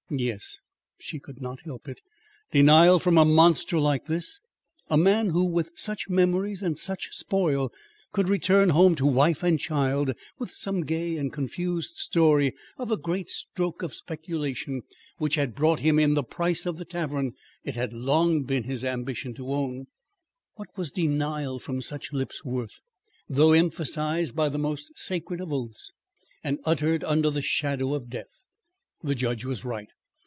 Yes; she could not help it. Denial from a monster like this a man who with such memories and such spoil, could return home to wife and child, with some gay and confused story of a great stroke in speculation which had brought him in the price of the tavern it had long been his ambition to own what was denial from such lips worth, though emphasised by the most sacred of oaths, and uttered under the shadow of death. The judge was right.